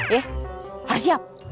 ya harus siap